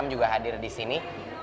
juga hadir di sini